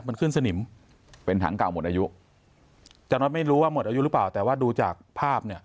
มันขึ้นสนิมจากนั้นไม่รู้ว่าหมดอายุหรือเปล่าแต่ว่าดูจากภาพ